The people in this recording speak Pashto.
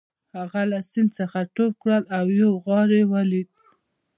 هغه له سیند څخه ټوپ کړ او یو غار یې ولید